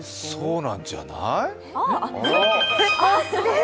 そうなんじゃない？